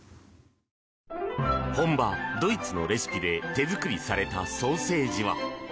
本場ドイツのレシピで手作りされたソーセージは。